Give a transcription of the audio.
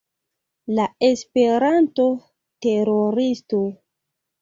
La Esperanto-teroristo